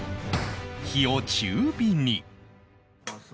火を中火に